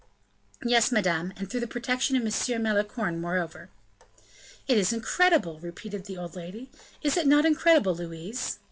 "Yes, madame, and through the protection of M. Malicorne, moreover." "It is incredible!" repeated the old lady: "is it not incredible, Louise?"